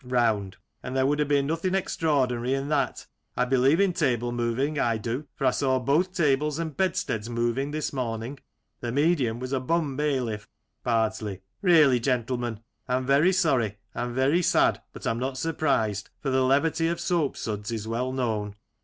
Round: And there would have been nothing extraordinary in that I believe in table moving, I do, for I saw both tables and bedsteads moving this morning — the medium was a bum bailiff. Bardsley : Really, gentlemen, I'm very sorry, I'm very sad, but I'm not surprised, for the levity of soap suds is well known.